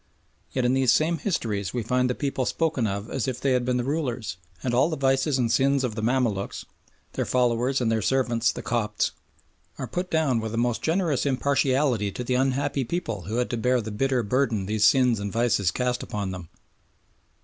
Yet in these same histories we find the people spoken of as if they had been the rulers, and all the vices and sins of the Mamaluks, their followers and their servants the Copts, are put down with a most generous impartiality to the unhappy people who had to bear the bitter burthen these sins and vices cast upon them.